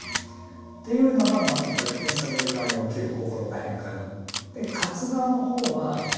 っていうのがまず逆転される側に起きる心の変化で。